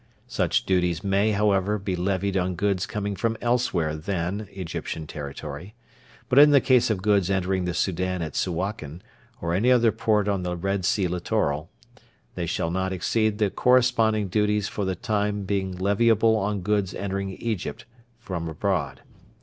Such duties may, however, be levied on goods coming from elsewhere than Egyptian territory; but in the case of goods entering the Soudan at Suakin, or any other port on the Red Sea Littoral, they shall not exceed the corresponding duties for the time being leviable on goods entering Egypt from abroad.